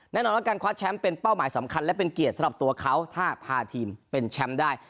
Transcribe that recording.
แน่นอนว่าการคว้าแชมป์เป็นเป้าหมายสำคัญและเป็นเกียรติสำหรับตัวเขาถ้าพาทีมเป็นแชมป์ได้